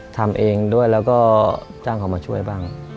ทำเองด้วยแล้วก็จ้างเขามาช่วยบ้าง